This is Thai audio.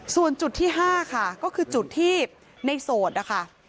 ส่วนจุดที่๕ค่ะก็คือจุดที่ในโสดนะคะ